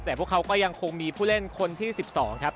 แต่พวกเขาก็ยังคงมีผู้เล่นคนที่๑๒ครับ